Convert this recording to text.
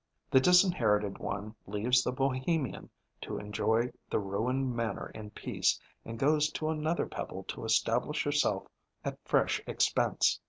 The disinherited one leaves the Bohemian to enjoy the ruined manor in peace and goes to another pebble to establish herself at fresh expense.